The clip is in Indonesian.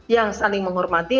yang saling menghormati